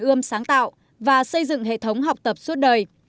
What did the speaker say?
ươm sáng tạo và xây dựng hệ thống học tập suốt đời